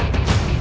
aku akan menang